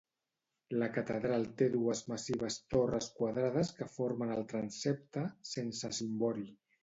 La catedral té dues massives torres quadrades que formen el transsepte, sense cimbori